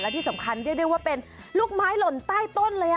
และที่สำคัญด้วยเรียกว่าเป็นลูกไม้หล่นใต้ต้นเลย